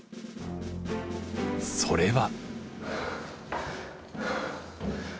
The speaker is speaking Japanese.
それは！